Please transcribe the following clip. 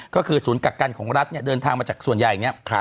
ก็คือศูนย์กักกันของรัฐเนี่ยเดินทางมาจากส่วนใหญ่เนี่ย